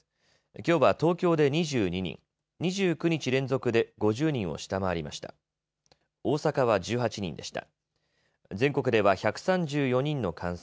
きょうは東京で２２人、２９日連続で５０人を下回りました。